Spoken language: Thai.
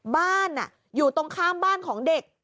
บ้านอยู่ตรงข้ามบ้านของเด็ก